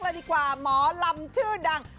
เลยดีกว่าหมอลำชื่อดัง